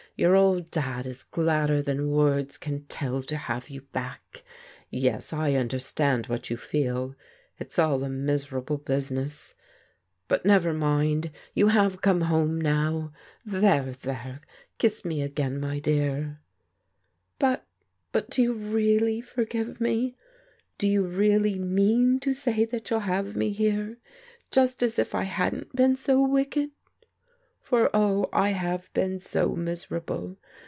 Your old Dad is gladder than words can tell to have you back. Yes, I Jgaderstand what you iee\. 1>!^ ^^ xcSL^x^Uft. business; PEGGY'S BETRAYAL 327 — but never mind, you have come home now. There, there, kiss me again, my dear." " But — but do you really forgive me? Do you really mean to say that you'll have me here, just as if I hadn't been so wicked? For, oh, I have been so miserable!